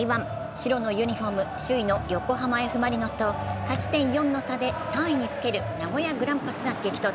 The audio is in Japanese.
白のユニフォーム・首位の横浜Ｆ・マリノスと勝ち点４の差で３位につける名古屋グランパスが激突。